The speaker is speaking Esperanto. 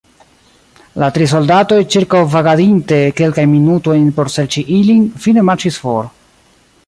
La tri soldatoj, ĉirkaŭvagadinte kelkajn minutojn por serĉi ilin, fine marŝis for.